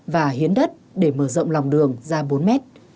và hiến đất để mở rộng lòng đường ra bốn mét